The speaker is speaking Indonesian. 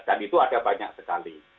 dan itu ada banyak sekali